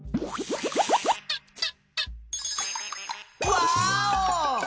ワーオ！